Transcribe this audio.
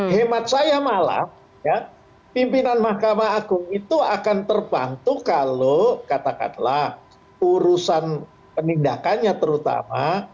hemat saya malah pimpinan mahkamah agung itu akan terbantu kalau katakanlah urusan penindakannya terutama